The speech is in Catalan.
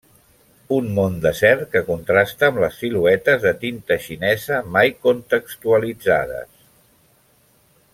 Un món desert que contrasta amb les siluetes de tinta xinesa mai contextualitzades.